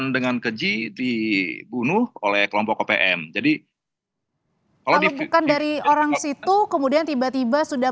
dengan keji dibunuh oleh kelompok opm jadi kalau bukan dari orang situ kemudian tiba tiba sudah